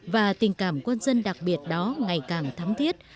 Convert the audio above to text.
và tình cảm quân dân đặc biệt đó ngày càng thắng thiết